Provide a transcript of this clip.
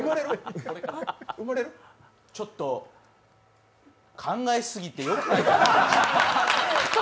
ちょっと、考えすぎてよくないかもしれない。